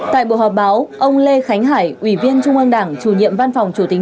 tại buổi họp báo ông lê khánh hải ủy viên trung ương đảng chủ nhiệm văn phòng chủ tính